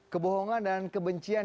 kebohongan dan kebencian